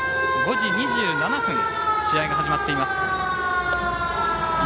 ５時２７分試合が始まっています。